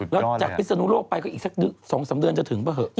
แล้วจากพิศนุโลกไปก็อีกสัก๒๓เดือนจะถึงป่ะเหอะ